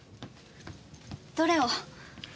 どれを？